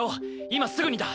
今すぐにだ！